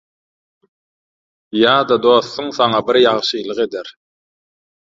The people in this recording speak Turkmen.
Ýa-da dostuň saňa bir ýagşylyk eder.